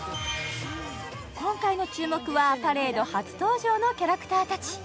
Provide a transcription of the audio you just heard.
今回の注目はパレード初登場のキャラクターたち